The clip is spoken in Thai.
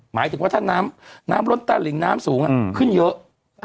หมายถึงว่าถ้าน้ำล้นตะหลิงน้ำสูงขึ้นเยอะ